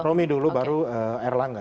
romi dulu baru erlangga